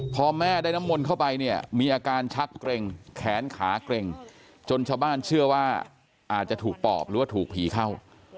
พอแม่ได้น้ำมนต์เข้าไปเนี่ยมีอาการชักเกร็งแขนขาเกร็งจนชาวบ้านเชื่อว่าอาจจะถูกปอบหรือว่าถูกผีเข้า